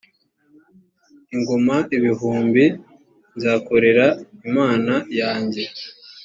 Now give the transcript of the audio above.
ingoma ibihumbi nzakorera imana yanjye.